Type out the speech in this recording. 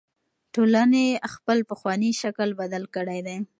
ټولنې خپل پخوانی شکل بدل کړی دی.